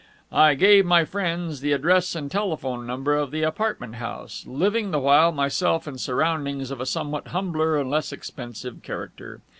I gave my friends the address and telephone number of the apartment house, living the while myself in surroundings of a somewhat humbler and less expensive character.